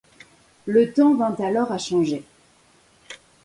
Le temps vint alors à changer.